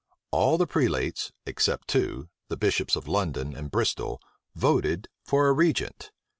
All the prelates, except two, the bishops of London and Bristol, voted for a regent.